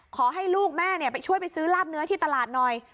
ขอให้ลูกแม่ไปช่วยไปซื้อลาบเนื้อที่ตลาดหน่อย